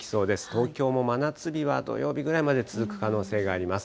東京も真夏日は土曜日ぐらいまで続く可能性があります。